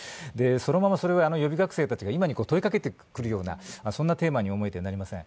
そのまま予備学生が今に問いかけてくるような、そんなテーマに思えてなりません。